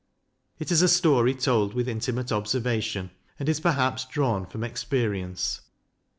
It is a story told with in timate observation, and is perhaps drawn from ex perience.